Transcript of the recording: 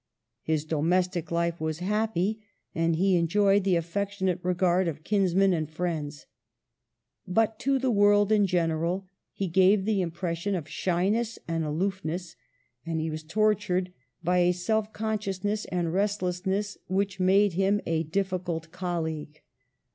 His domestic life was happy, and he enjoyed the affectionate regard of kinsmen and of friends. But to the world in general he gave the impression of shyness and aloofness, and he was tortured by a self consciousness and restlessness which made him a difficult colleague.